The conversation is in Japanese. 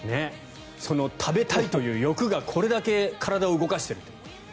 その食べたいという欲がこれだけ体を動かしている。